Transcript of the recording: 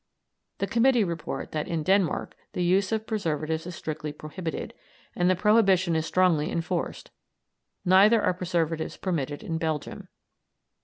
The Committee report that in Denmark the use of preservatives is strictly prohibited, and the prohibition is strongly enforced; neither are preservatives permitted in Belgium.